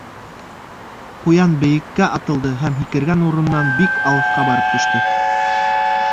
Ҡуян бейеккә атылды һәм һикергән урынынан бик алыҫҡа барып төштө.